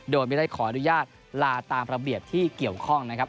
โดยไม่ได้ขออนุญาตลาตามระเบียบที่เกี่ยวข้องนะครับ